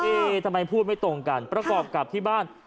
ทำไมพูดไม่ตรงกันประกอบกับที่บ้าน